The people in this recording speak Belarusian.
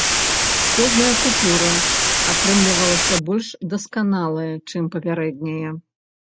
Кожная купюра атрымлівалася больш дасканалая, чым папярэдняя.